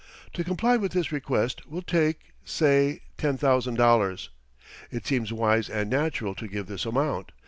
To comply with this request will take, say, $10,000. It seems wise and natural to give this amount.